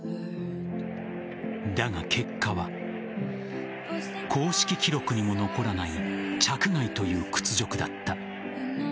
だが結果は公式記録にも残らない着外という屈辱だった。